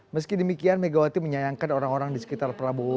meski demikian megawati menyayangkan orang orang di sekitar prabowo